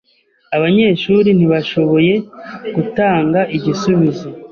Abanyeshuri ntibashoboye gutanga igisubizo.